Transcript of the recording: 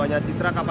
cuman buat urusan aja